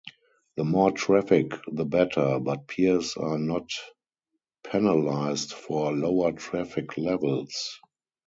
The more traffic, the better, but peers are not penalized for lower traffic levels.